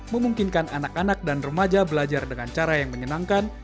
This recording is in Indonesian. memungkinkan anak anak dan remaja belajar dengan cara yang menyenangkan